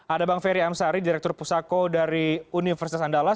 ada bang ferry amsari direktur pusako dari universitas andalas